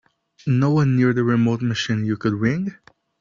No one near the remote machine you could ring?